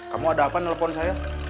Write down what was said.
kamu ada apa nelfon saya